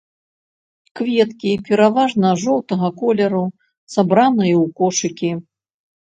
Кветкі пераважна жоўтага колеру, сабраныя ў кошыкі.